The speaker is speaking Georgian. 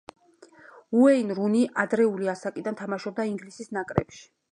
უეინ რუნი ადრეული ასაკიდან თამაშობდა ინგლისის ნაკრებში.